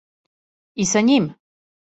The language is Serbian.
И са њим?